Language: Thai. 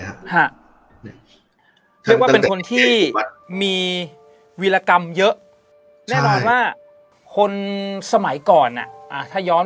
ว่าเป็นคนที่มีวิรกรรมเยอะแน่รอดว่าคนสมัยก่อนอ่ะถ้าย้อน